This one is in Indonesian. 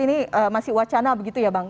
ini masih wacana begitu ya bang